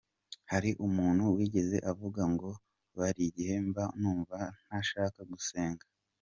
Hari umuntu wigeze avuga ngo, “Buri gihe mba numva ntashaka gusenga.